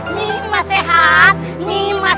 nyilma sehat nyilma sehat